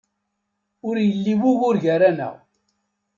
Ur yelli wugur gar-aɣ.